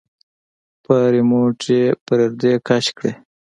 په رېموټ يې پردې کش کړې.